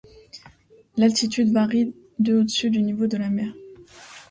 L'altitude varie de au-dessus du niveau de la mer.